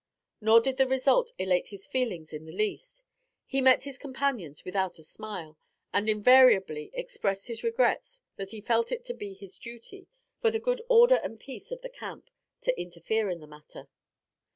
Nor did the result elate his feelings in the least. He met his companions without a smile, and invariably expressed his regrets that he felt it to be his duty, for the good order and peace of the camp, to interfere in the matter.